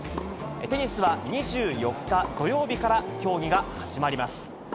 テニスは２４日土曜日から競技が始まります。